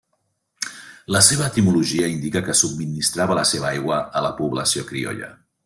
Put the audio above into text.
La seva etimologia indica que subministrava la seva aigua a la població criolla.